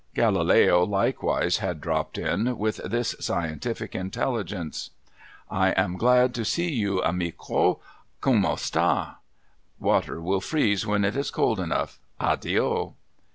Galileo likewise had dropped in, with this scientific intelligence. ' I am glad to see you, amico. Come sta 1 Water will freeze when it is cold enough, Addio